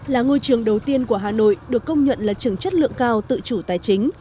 là ngôi trường đầu tiên của hà nội được công nhận là trường chất lượng cao tự chủ tài chính